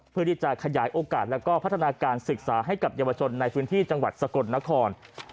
เพื่อที่จะขยายโอกาสแล้วก็พัฒนาการศึกษาให้กับเยาวชนในพื้นที่จังหวัดสกลนคร